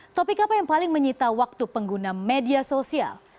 topik apa yang paling menyita waktu pengguna media sosial